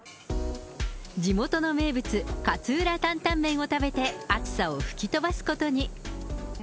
地元の名物、勝浦タンタンメンを食べて、暑さを吹き飛ばすことに。